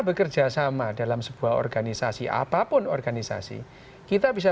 bekerja sama dalam sebuah organisasi apapun organisasi kita bisa